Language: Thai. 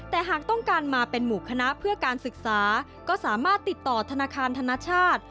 แต่หากต้องการมาเป็นหมู่คณะเพื่อการศึกษาก็สามารถติดต่อธนาคารธนชาติ